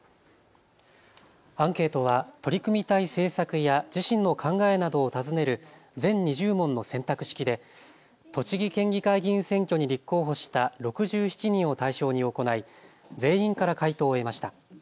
アンケートは取り組みたい政策や自身の考えなどを尋ねる全２０問の選択式で栃木県議会議員選挙に立候補した６７人を対象に行い全員から回答を得ました。